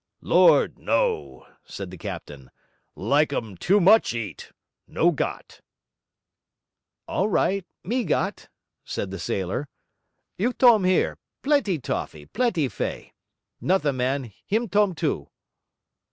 'Lord, no!' said the captain. 'Like um too much eat. No got.' 'All right. Me got,' said the sailor; 'you tome here. Plenty toffee, plenty fei. Nutha man him tome too.'